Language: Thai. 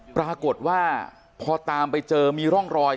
ปรากฏว่าพอตามไปเจอมีร่องรอย